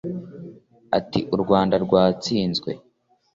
ati "U Rwanda rwatsinzwe